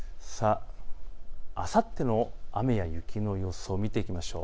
あさっての雨や雪の予想を見ていきましょう。